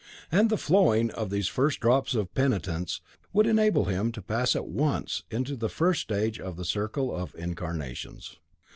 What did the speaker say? And the flowing of these first drops of penitence would enable him to pass at once into the first stage of the circle of incarnations.'